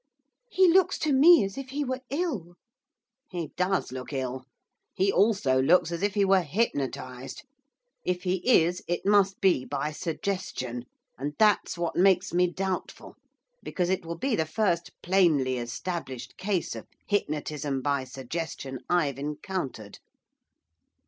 'He looks to me as if he were ill.' 'He does look ill. He also looks as if he were hypnotised. If he is, it must be by suggestion, and that's what makes me doubtful, because it will be the first plainly established case of hypnotism by suggestion I've encountered.